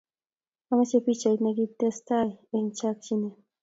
ameche pichait ne kitesetai eng chakchyinet